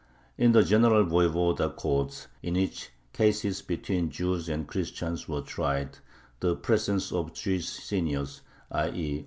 In the general voyevoda courts, in which cases between Jews and Christians were tried, the presence of Jewish "seniors," _i.